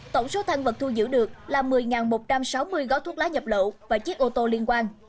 tổng số thăng vật thu giữ được là một mươi một trăm sáu mươi gói thuốc lá nhập lậu và chiếc ô tô liên quan